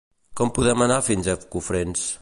Com podem anar fins a Cofrents?